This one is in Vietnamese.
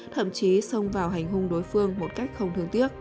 thậm chí xông vào hành hung đối phương một cách không đáng